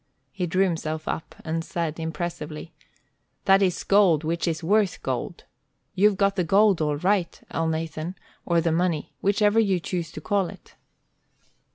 He drew himself up, and said, impressively: "'That is gold which is worth gold.' You've got the gold all right, Elnathan, or the money, whichever you choose to call it."